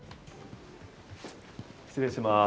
失礼します。